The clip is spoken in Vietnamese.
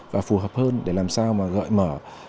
và phù hợp hơn để làm sao gọi mở